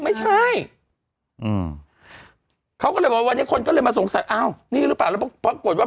ไม่ใช่เขาก็เลยบอกว่าวันนี้คนก็เลยมาสงสัยอ้าวนี่หรือเปล่า